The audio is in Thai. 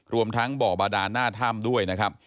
รวมทั้งบ่อบาดานหน้าถ้ำด้วยนะครับ